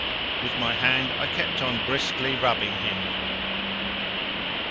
With my hand I kept on briskly rubbing him.